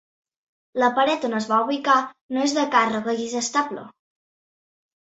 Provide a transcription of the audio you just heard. La paret on es va ubicar no és de càrrega i és estable.